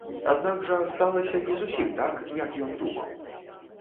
Аднак жа сталася не зусім так, як ён думаў.